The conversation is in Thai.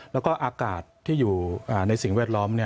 แล้วก็อากาศที่อยู่ในสิ่งแวดล้อม